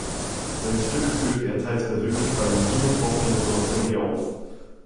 Seine Stücke führte er teils persönlich bei den Kinovorstellungen am Klavier auf.